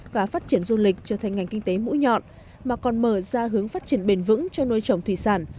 và phát triển du lịch trở thành ngành kinh tế mũi nhọn mà còn mở ra hướng phát triển bền vững cho nuôi trồng thủy sản